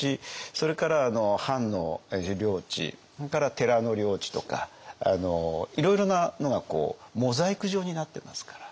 それから藩の自領地それから寺の領地とかいろいろなのがモザイク状になってますから。